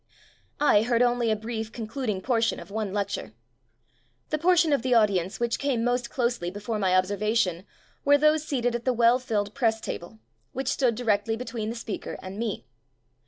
I heard only a brief, concluding portion of one lec ture. The portion of the audience which came most closely before my ob servation were those seated at the well filled press table, which stood di rectly between the speaker and me.